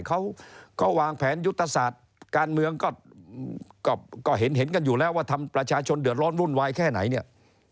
เขาก็วางแผนยุทธศาสตร์การเมืองก็เห็นกันอยู่แล้วว่าทำประชาชนเดือดร้อนวุ่นวายแค่ไหนเนี่ย